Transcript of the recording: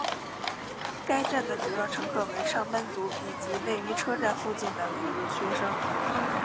该站的主要乘客为上班族以及位于车站附近的的学生。